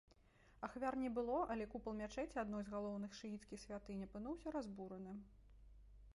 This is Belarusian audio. Ахвяр не было, але купал мячэці, адной з галоўных шыіцкіх святынь, апынуўся разбураны.